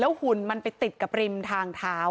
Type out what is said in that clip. หุ่นมันไปติดกับริมทางเท้า